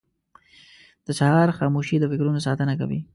• د سهار خاموشي د فکرونو ساتنه کوي.